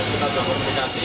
kita tetap komunikasi